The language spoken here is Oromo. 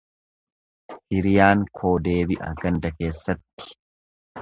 Hiriyyaan koo deebi'a ganda keessatti.